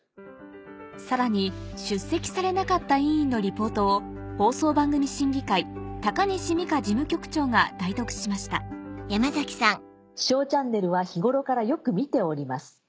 さらに出席されなかった委員のリポートを放送番組審議会鷹西美佳事務局長が代読しました「『ＳＨＯＷチャンネル』は日頃からよく見ております。